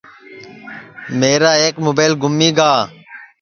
میرا ایک مُبیل گُمی گا